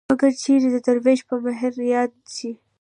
مګر چېرې د دروېش په مهر ياد شي